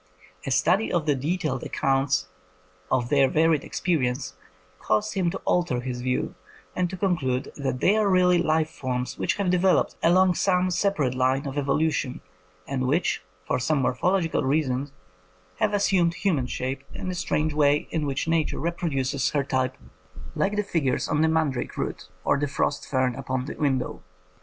A study of the detailed accounts of their varied experience caused him to alter his view, and to conclude that they are really life forms which have developed along some separate line of evolution, and which for some morphological reason have assumed human shape in the strange way in which Nature reproduces her types like the figures 148 INDEPENDENT EVIDENCE FOR FAIRIES on the mandrake root or the frost ferns upon the window.